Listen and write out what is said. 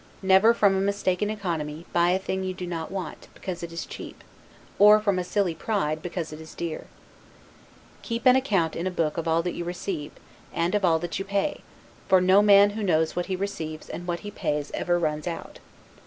Never, from a mistaken economy, buy a thing you do not want, because it is cheap; or from a silly pride, because it is dear. Keep an account in a book of all that you receive, and of all that you pay; for no man who knows what he receives and what he pays ever runs out.